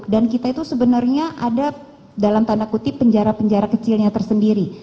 dan kita itu sebenarnya ada dalam tanda kutip penjara penjara kecilnya tersendiri